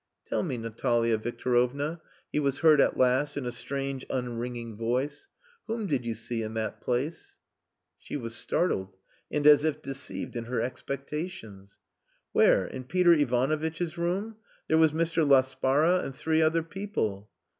"Tell me, Natalia Victorovna," he was heard at last in a strange unringing voice, "whom did you see in that place?" She was startled, and as if deceived in her expectations. "Where? In Peter Ivanovitch's rooms? There was Mr. Laspara and three other people."